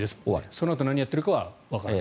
そのあと何をやってるかはわからない。